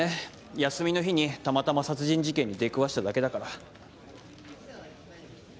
休みの日にたまたま殺人事件に出くわしただけだから。